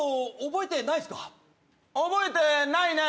覚えてないね